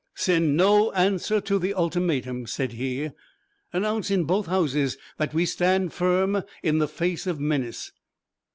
"Send no answer to the ultimatum," said he. "Announce in both houses that we stand firm in the face of menace.